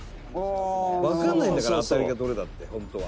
わからないんだから当たりがどれだってホントは。